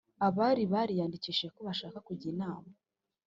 Abari bariyandikishije ko bashaka kujyamu inama